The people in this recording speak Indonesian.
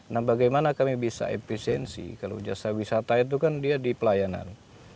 nah bagaimana kami bisa efisiensi kalau jasa wisata itu kan dia di pelayanan